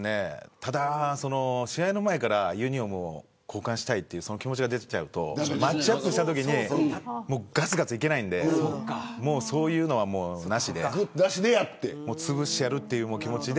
ただ、試合の前からユニホームを交換したいという気持ちが出るとマッチアップのときにがつがついけないのでそういうのは、なしでつぶしてやる、という気持ちで。